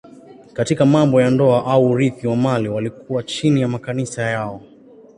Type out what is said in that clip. Katika mambo ya ndoa au urithi wa mali walikuwa chini ya makanisa yao.